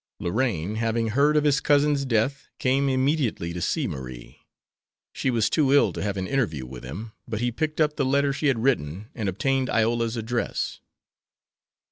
Lorraine, having heard of his cousin's death, came immediately to see Marie. She was too ill to have an interview with him, but he picked up the letter she had written and obtained Iola's address.